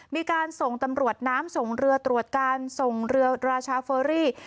มีการส่งตำรวจน้ำส่งเรือตรวจการส่งเรือราชาเฟอรี่